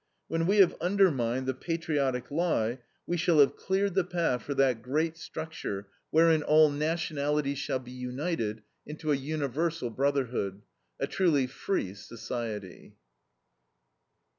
When we have undermined the patriotic lie, we shall have cleared the path for that great structure wherein all nationalities shall be united into a universal brotherhood, a truly FREE SOCIETY.